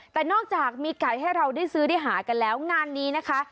แต่นอกจากมีไก่ให้เราได้ซื้อได้หากันแล้วงานนี้นะคะ